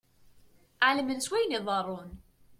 Ɛelmen s wayen iḍerrun.